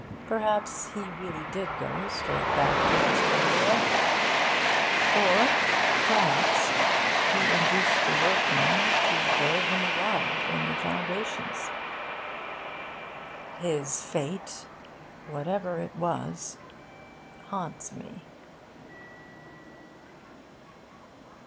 Perhaps he really did go straight back to Australia. Or perhaps he induced the workmen to bury him alive in the foundations. His fate, whatever it was, haunts me.